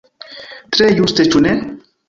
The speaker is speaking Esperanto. Tre juste, ĉu ne?